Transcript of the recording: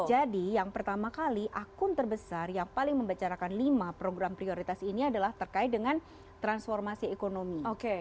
jadi yang pertama kali akun terbesar yang paling membicarakan lima program prioritas ini adalah terkait dengan transformasi ekonomi